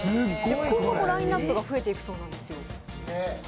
今後もラインナップが増えていくそうなんですよ。